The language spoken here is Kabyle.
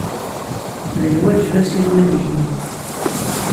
D lwaǧeb asirem ad yili